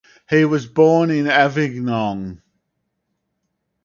He was born in Avignon.